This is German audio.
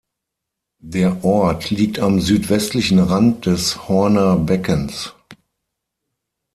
Der Ort liegt am südwestlichen Rand des Horner Beckens.